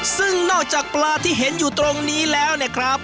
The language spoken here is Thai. ซึ่งนอกจากปลาที่เห็นอยู่ตรงนี้แล้วเนี่ยครับ